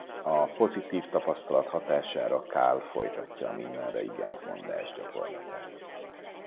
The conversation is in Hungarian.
A pozitív tapasztalat hatására Carl folytatja a mindenre igent mondás gyakorlatát.